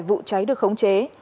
vụ cháy được khống chế